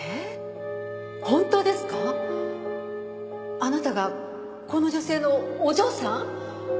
あなたがこの女性のお嬢さん？